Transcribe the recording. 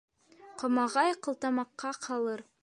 Ҡомағай ҡылтамаҡҡа ҡалыр.